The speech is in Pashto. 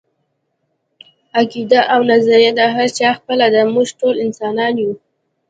عقیده او نظريه د هر چا خپله ده، موږ ټول انسانان يو